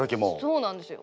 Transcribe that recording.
そうなんですよ。